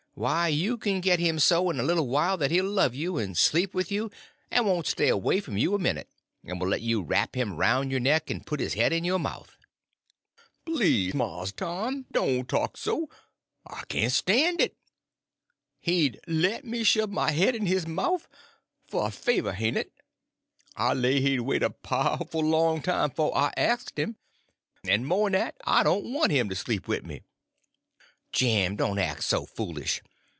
Why, you can get him so, in a little while, that he'll love you; and sleep with you; and won't stay away from you a minute; and will let you wrap him round your neck and put his head in your mouth." "Please, Mars Tom—doan' talk so! I can't stan' it! He'd let me shove his head in my mouf—fer a favor, hain't it? I lay he'd wait a pow'ful long time 'fo' I ast him. En mo' en dat, I doan' want him to sleep wid me." "Jim, don't act so foolish.